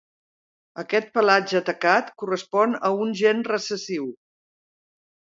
Aquest pelatge tacat correspon a un gen recessiu.